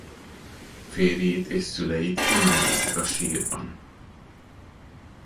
Férjét és szüleit nem említik a sírban.